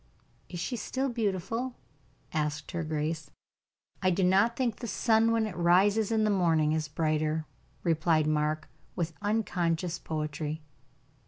"Is she still beautiful?" asked her grace. "I do not think the sun, when it rises in the morning, is brighter," replied Mark, with unconscious poetry.